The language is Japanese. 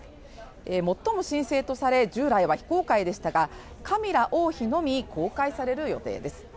最も神聖とされ、従来は非公開でしたがカミラ王妃のみ公開される予定です。